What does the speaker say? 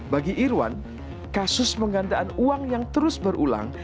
bagi irwan kasus penggandaan uang yang terus berulang